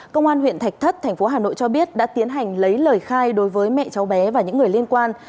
công an huyện thạch thất thành phố hà nội cho biết đã tiến hành lấy lời khai đối với mẹ cháu bé và những người liên quan